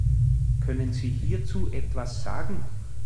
Können Sie hierzu etwas sagen?